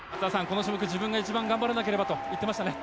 この種目自分が一番頑張らなければと言ってましたね。